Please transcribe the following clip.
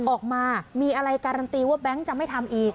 ออกมามีอะไรการันตีว่าแก๊งจะไม่ทำอีก